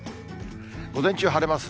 午前中晴れます。